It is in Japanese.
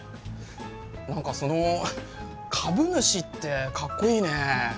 何かその株主ってかっこいいね。